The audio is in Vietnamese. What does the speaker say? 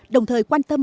đồng thời quan tâm